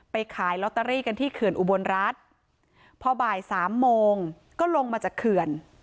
ขายลอตเตอรี่กันที่เขื่อนอุบลรัฐพอบ่ายสามโมงก็ลงมาจากเขื่อน